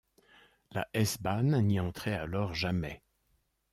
La S-bahn n'y entrait alors jamais.